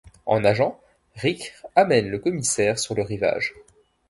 En nageant, Ric amène le commissaire sur le rivage.